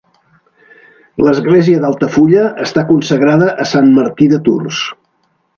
L'església d'Altafulla està consagrada a Sant Martí de Tours.